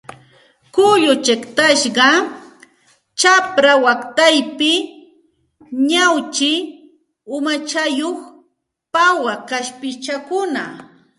Kullu chiqtasqa, chapra waqtaypi ñawchi umachayuq pawaq kaspichakuna